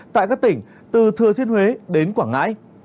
tại các tỉnh từ thừa thiên huế đến quảng ngãi